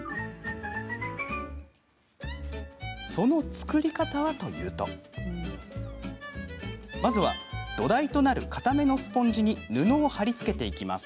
その作り方はというとまずは、土台となるかためのスポンジに布を貼りつけていきます。